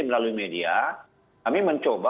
melalui media kami mencoba